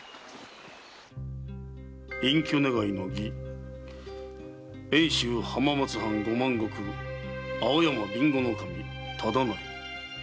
「隠居願いの儀遠州浜松藩五万石・青山備後守忠成」。